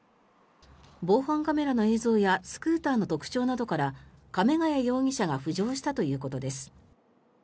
防犯カメラの映像やスクーターの特徴などから亀ケ谷容疑者が浮上したということです。